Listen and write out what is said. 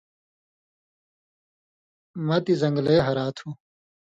مہ تی زن٘گلے ہرا تُھو